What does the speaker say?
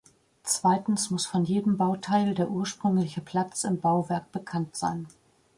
Zweitens muss von jedem Bauteil der ursprüngliche Platz im Bauwerk bekannt sein.